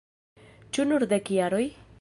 Ĉu nur dek jaroj?